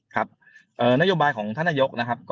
ครับนโยบายของท่านนายกนะครับ